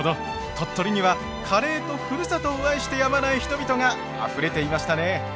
鳥取にはカレーとふるさとを愛してやまない人々があふれていましたね。